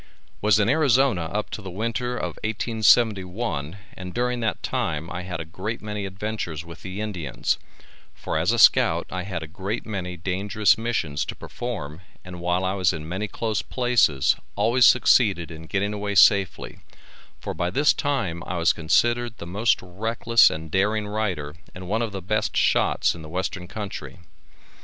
Was in Arizona up to the winter of 1871 and during that time I had a great many adventures with the Indians, for as a scout I had a great many dangerous missions to perform and while I was in many close places always succeeded in getting away safely for by this time I was considered the most reckless and daring rider and one of the best shots in the western country.